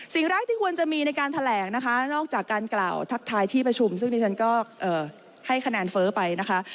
สิ่งแรกที่ควรจะมีในการแถลงนะคะนอกจากการกล่าวทักทายที่ประชุมซึ่งดิฉันก็ให้คะแนนเฟ้อไปนะคะ